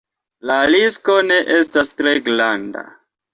La risko ne estas tre granda.